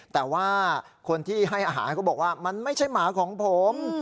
แต่ว่าคนที่ให้อาหารเขาบอกว่ามันไม่ใช่หมาของผม